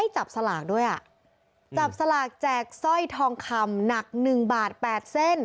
จับสลากด้วยอ่ะจับสลากแจกสร้อยทองคำหนักหนึ่งบาทแปดเส้น